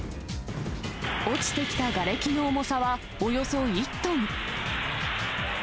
落ちてきたがれきの重さはおよそ１トン。